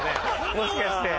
もしかして。